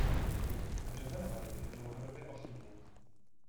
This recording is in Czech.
Hřeben hory je dlouhodobě osídlen.